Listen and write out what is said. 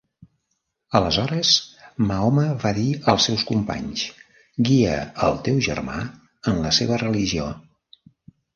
Aleshores, Mahoma va dir als seus companys: "Guia al teu germà en la seva religió".